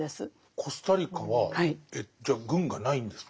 コスタリカはじゃあ軍がないんですか？